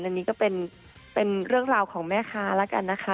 อันนี้ก็เป็นเรื่องราวของแม่ค้าแล้วกันนะคะ